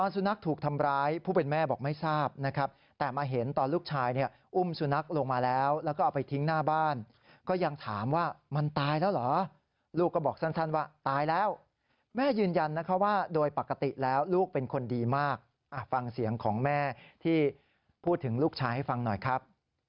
สุนัขลงมาแล้วแล้วก็เอาไปทิ้งหน้าบ้านก็ยังถามว่ามันตายแล้วเหรอลูกก็บอกสั้นสั้นว่าตายแล้วแม่ยืนยันนะคะว่าโดยปกติแล้วลูกเป็นคนดีมากอ่าฟังเสียงของแม่ที่พูดถึงลูกชายให้ฟังหน่อยครับ